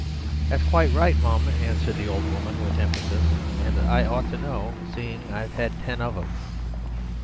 "That's quite right, mum," answered the old woman with emphasis, "and I ought to know, seeing I've had ten of 'em."